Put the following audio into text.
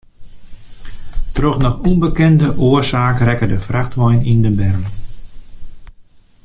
Troch noch ûnbekende oarsaak rekke de frachtwein yn de berm.